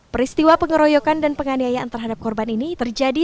peristiwa pengeroyokan dan penganiayaan terhadap korban ini terjadi